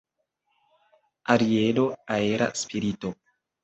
Arielo, aera spirito.